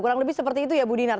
kurang lebih seperti itu ya bu dinar